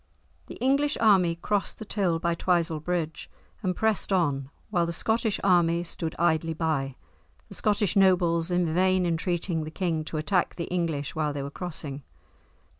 The English army crossed the Till by Twisel Bridge and pressed on while the Scottish army stood idly by, the Scottish nobles in vain entreating the king to attack the English while they were crossing.